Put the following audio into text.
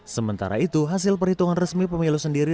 sementara itu hasil perhitungan resmi pemilu sendiri